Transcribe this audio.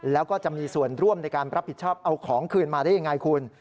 แล้วก็จะมีส่วนร่วมในการรับผิดชอบเอาของคืนมาได้ยังไงคุณ